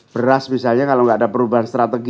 beras misalnya kalau nggak ada perubahan strategi